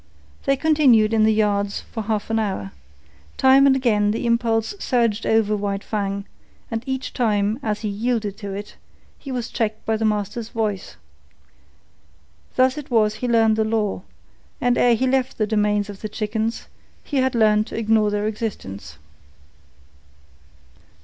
They continued in the yards for half an hour. Time and again the impulse surged over White Fang, and each time, as he yielded to it, he was checked by the master's voice. Thus it was he learned the law, and ere he left the domain of the chickens, he had learned to ignore their existence.